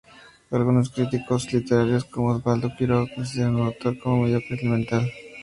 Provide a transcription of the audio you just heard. Algunos críticos literarios, como Osvaldo Quiroga, consideran al autor como mediocre y elemental.